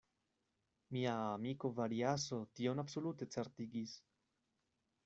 Mia amiko Variaso tion absolute certigis.